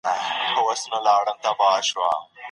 زه به څونه ګناهکار يم .